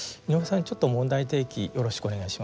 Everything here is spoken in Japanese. ちょっと問題提起よろしくお願いします。